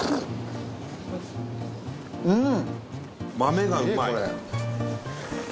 うん。